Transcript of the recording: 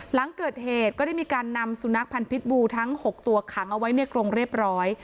หลังเกิดเหตุก็ได้มีการนำสุนัขพันธ์พิษบูทั้ง๖ตัวขังเอาไว้ในกรงเรียบร้อย